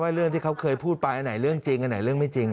เรื่องที่เขาเคยพูดไปอันไหนเรื่องจริงอันไหนเรื่องไม่จริง